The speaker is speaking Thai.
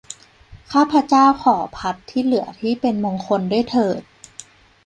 ข้าพเจ้าขอภัตต์ที่เหลือที่เป็นมงคลด้วยเถิด